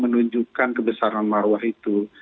menunjukkan kebesaran marwah itu